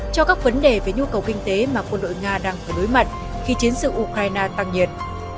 cho các vấn đề về nhu cầu kinh tế mà quân đội nga đang phải đối mặt khi chiến sự ukraine tăng nhiệt